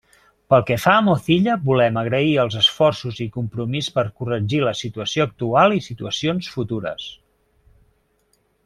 Pel que fa a Mozilla, volem agrair els esforços i compromís per corregir la situació actual i situacions futures.